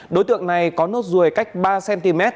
đối tượng này có nốt ruồi cách ba cm